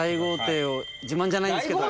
自慢じゃないんですけど。